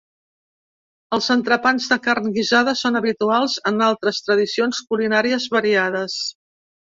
Els entrepans de carn guisada són habituals en altres tradicions culinàries variades.